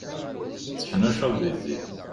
Tteḥnuccuḍ di zzit.